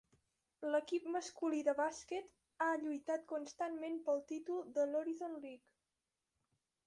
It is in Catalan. L'equip masculí de bàsquet ha lluitat constantment pel títol de l'Horizon League.